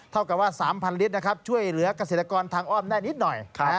เท่ากับว่า๓๐๐ลิตรนะครับช่วยเหลือกเกษตรกรทางอ้อมได้นิดหน่อย